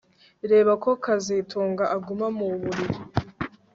Reba ko kazitunga aguma mu buriri